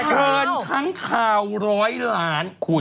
ขึ้นครั้งคราวร้อยล้านคุณ